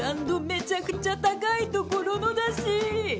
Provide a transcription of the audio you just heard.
めちゃくちゃ高いところのだし！